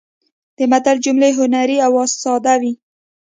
د متل جملې هنري او ساده وي